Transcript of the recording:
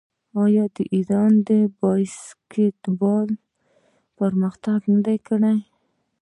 آیا د ایران باسکیټبال هم پرمختګ نه دی کړی؟